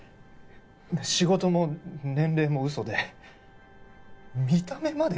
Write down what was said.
仕事も年齢もうそで見た目までうそ？